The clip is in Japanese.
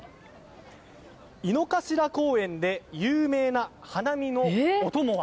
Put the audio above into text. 井の頭公園で有名な花見のお供は。